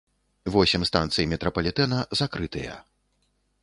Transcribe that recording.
Восем станцый метрапалітэна закрытыя.